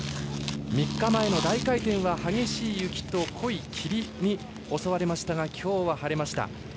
３日前の大回転は激しい雪と濃い霧に襲われましたが今日は晴れました。